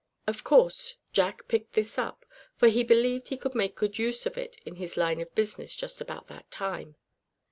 Of course Jack picked this up, for he believed he could make good use of it in his line of business just about that time.